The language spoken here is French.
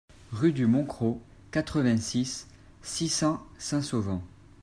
Rue du Moncro, quatre-vingt-six, six cents Saint-Sauvant